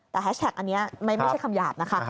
แต่แฮชแท็กอันนี้ไม่ใช่คำหยาบนะคะ